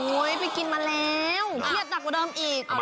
ไปกินมาแล้วเครียดหนักกว่าเดิมอีก